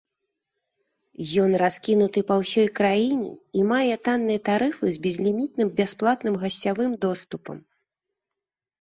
Ён раскінуты па ўсёй краіне і мае танныя тарыфы з безлімітным бясплатным гасцявым доступам.